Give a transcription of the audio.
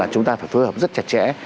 chúng ta phải phối hợp rất chặt chẽ